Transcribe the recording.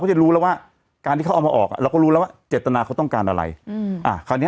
กิจกรรมในการที่ขึ้นห้องด้วยกัน